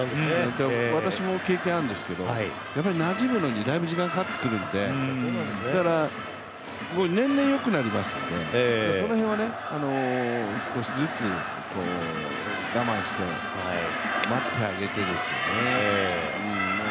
私も経験あるんですけどやっぱりなじむのにだいぶ時間かかってくるんでだから、年々よくなりますのでね、その辺は少しずつ我慢して、待ってあげてですよね。